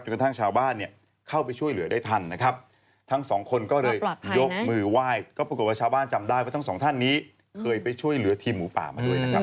กระทั่งชาวบ้านเนี่ยเข้าไปช่วยเหลือได้ทันนะครับทั้งสองคนก็เลยยกมือไหว้ก็ปรากฏว่าชาวบ้านจำได้ว่าทั้งสองท่านนี้เคยไปช่วยเหลือทีมหมูป่ามาด้วยนะครับ